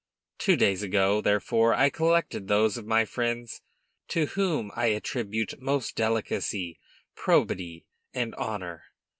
Two days ago, therefore, I collected those of my friends to whom I attribute most delicacy, probity, and honor.